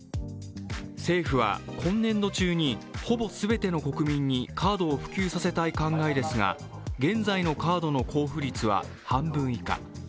政府は今年度中に、ほぼ全ての国民にカードを普及させたい考えですが、現在のカードの交付率は半分以下。